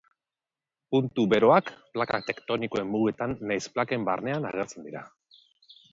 Puntu beroak plaka tektonikoen mugetan nahiz plaken barnean agertzen dira.